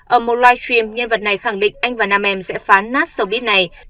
ở một livestream nhân vật này khẳng định anh và nam em sẽ phán nát showbiz này